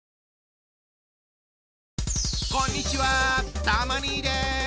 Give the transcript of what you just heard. こんにちはたま兄です。